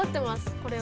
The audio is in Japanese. これは。